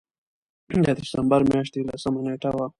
د دسمبر مياشتې لسمه نېټه وه